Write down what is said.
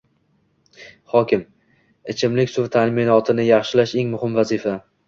Hokim: ichimlik suvi ta’minotini yaxshilash eng muhim vazifa